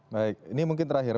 baik ini mungkin terakhir